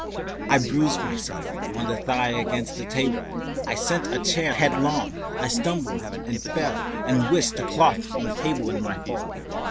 I bruised myself in the thigh against the table, I sent a chair headlong, I stumbled and fell and whisked the cloth from the table in my fall.